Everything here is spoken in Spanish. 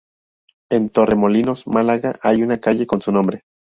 En Torremolinos, Málaga, hay una calle con su nombre.